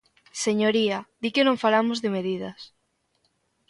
Señoría, di que non falamos de medidas.